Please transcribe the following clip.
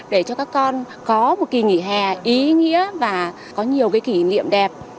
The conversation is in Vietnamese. để cho các con có một kỳ nghỉ hè ý nghĩa và có nhiều kỷ niệm đẹp